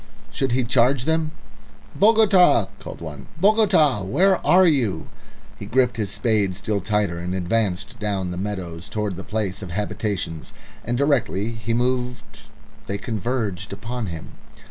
Should he charge them? "Bogota!" called one. "Bogota! where are you?" He gripped his spade still tighter, and advanced down the meadows towards the place of habitations, and directly he moved they converged upon him.